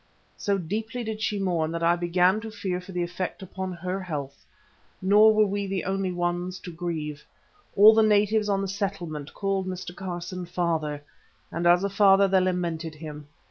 So deeply did she mourn that I began to fear for the effect upon her health. Nor were we the only ones to grieve; all the natives on the settlement called Mr. Carson "father," and as a father they lamented him.